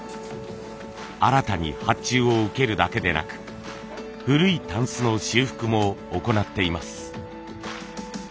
新たに発注を受けるだけでなく古い箪笥の修復も行っています。